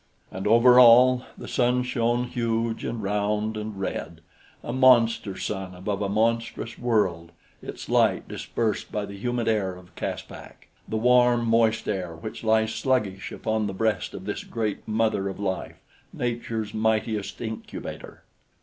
And over all the sun shone huge and round and red, a monster sun above a monstrous world, its light dispersed by the humid air of Caspak the warm, moist air which lies sluggish upon the breast of this great mother of life, Nature's mightiest incubator.